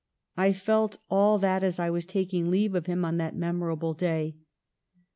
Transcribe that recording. I felt all that as I w^as taking leave of him on that memorable day.